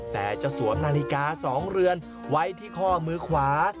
แต่จะสวมนาฬิกา๒เรือนไว้ที่ข้อมือขวา